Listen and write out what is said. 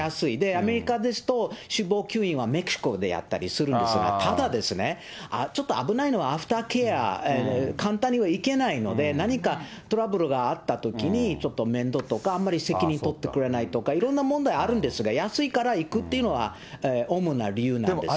アメリカですと脂肪吸引はメキシコでやったりするんですが、ただですね、ちょっと危ないのはアフターケア、簡単には行けないので、何かトラブルがあったときに、ちょっと面倒とか、あんまり責任取ってくれないとか、いろんな問題あるんですが、安いから行くっていうのは、主な理由なんですよね。